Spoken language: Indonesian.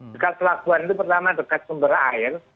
dekat pelabuhan itu pertama dekat sumber air